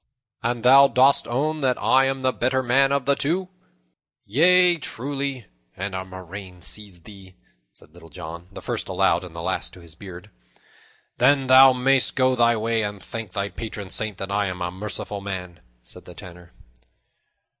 "And thou dost own that I am the better man of the two?" "Yea, truly, and a murrain seize thee!" said Little John, the first aloud and the last to his beard. "Then thou mayst go thy ways; and thank thy patron saint that I am a merciful man," said the Tanner.